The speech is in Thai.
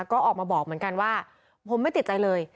ก็ออกมาบอกเหมือนกันว่าผมไม่ติดใจเลย